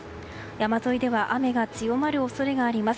山沿いでは雨が強まる恐れがあります。